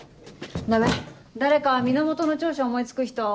ダメ誰か源の長所思い付く人。